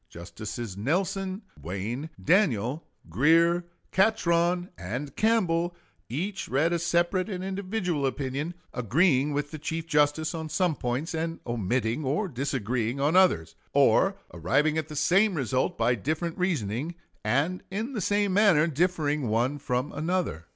Justices Nelson, Wayne, Daniel, Grier, Catron, and Campbell each read a separate and individual opinion, agreeing with the Chief Justice on some points, and omitting or disagreeing on others, or arriving at the same result by different reasoning, and in the same manner differing one from another.